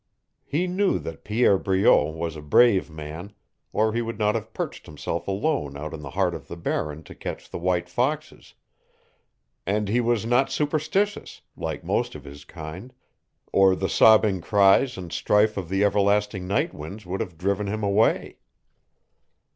He knew that Pierre Breault was a brave man, or he would not have perched himself alone out in the heart of the Barren to catch the white foxes; and he was not superstitious, like most of his kind, or the sobbing cries and strife of the everlasting night winds would have driven him away.